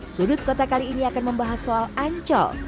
sudut kota kali ini akan membahas soal ancol